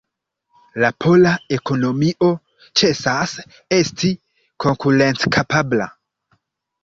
La pola ekonomio ĉesas esti konkurenckapabla.